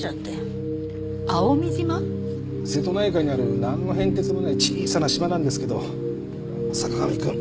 瀬戸内海にあるなんの変哲もない小さな島なんですけど坂上くん